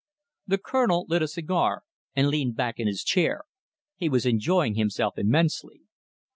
The Colonel lit a cigar and leaned back in his chair. He was enjoying himself immensely.